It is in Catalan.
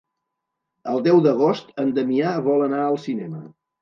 El deu d'agost en Damià vol anar al cinema.